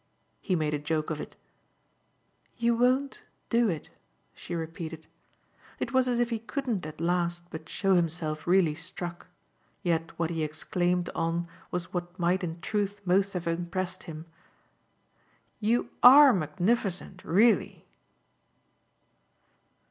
he made a joke of it. "You won't do it," she repeated. It was as if he couldn't at last but show himself really struck; yet what he exclaimed on was what might in truth most have impressed him. "You ARE magnificent, really!"